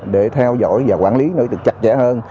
để theo dõi và quản lý nó được chặt chẽ hơn